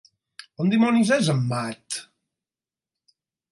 On dimonis és en Matt?